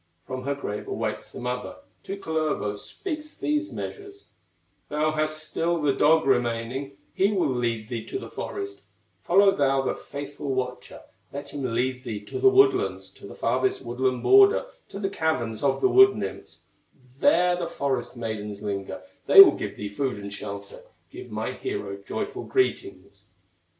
From her grave awakes the mother, To Kullervo speaks these measures: "Thou has still the dog remaining, He will lead thee to the forest; Follow thou the faithful watcher, Let him lead thee to the woodlands, To the farthest woodland border, To the caverns of the wood nymphs; There the forest maidens linger, They will give thee food and shelter, Give my hero joyful greetings."